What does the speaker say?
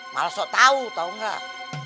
malesok tau tau nggak